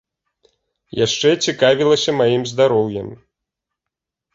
Яшчэ цікавілася маім здароўем.